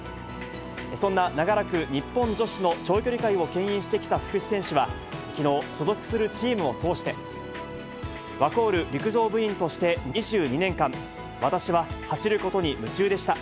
そんな長らく日本女子の長距離界をけん引してきた福士選手は、きのう、所属するチームを通して、ワコール陸上部員として２２年間、私は、走ることに夢中でしたっ！